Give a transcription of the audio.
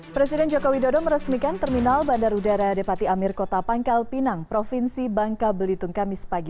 presiden joko widodo meresmikan terminal bandar udara depati amir kota pangkal pinang provinsi bangka belitung kamis pagi